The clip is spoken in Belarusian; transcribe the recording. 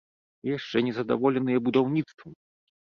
І яшчэ незадаволеныя будаўніцтвам!